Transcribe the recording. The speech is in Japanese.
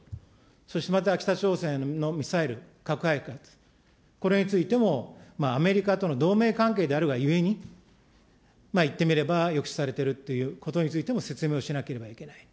そしてまた北朝鮮のミサイル、核開発、これについてもアメリカとの同盟関係であるがゆえに、いってみれば抑止されてるっていうことについても説明をしなければいけないと。